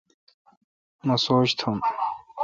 مہ سوچ تھم۔